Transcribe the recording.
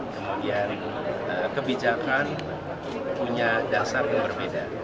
kemudian kebijakan punya dasarnya berbeda